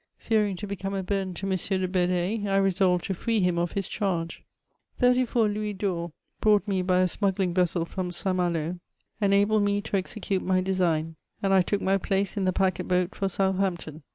Fearing to become a burden to M. de Bed^e, I resolved to free him of his charge. Thirty louis d'or, brought me by a smuggling vessel from St. Malo, enabled me to execute my design, and I took my place in the packet boat for Southampton.